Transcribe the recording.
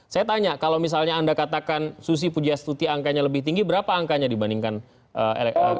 saya tanya kalau misalnya anda katakan susi pujastuti angkanya lebih tinggi berapa angkanya dibandingkan elektabilitas